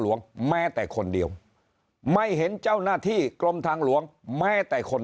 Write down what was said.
แม้แต่คนเดียวไม่เห็นเจ้าหน้าที่กรมทางหลวงแม้แต่คน